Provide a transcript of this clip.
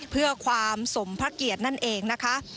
เพื่อความสมพระเกียรตินั่นเองนะคะ